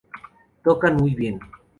Tocan muy bien.